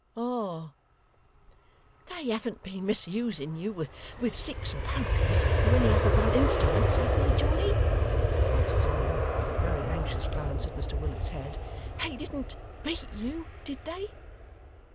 Ah!' 'They haven't been misusing you with sticks, or pokers, or any other blunt instruments have they, Johnny?' asked Solomon, with a very anxious glance at Mr Willet's head. 'They didn't beat you, did they?